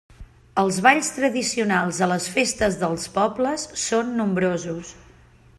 Els balls tradicionals a les festes dels pobles són nombrosos.